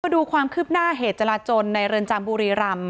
ดูความคืบหน้าเหตุจราจนในเรือนจำบุรีรำ